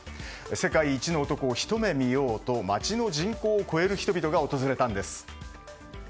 世界一の男をひと目見ようと町の人口を超える人々が訪れたんです。